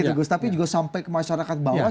tapi juga sampai ke masyarakat bawah